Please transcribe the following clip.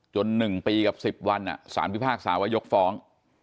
จนหนึ่งปีกับสิบวันสารพิพากษาวะยกฟ้อง